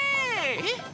えっ？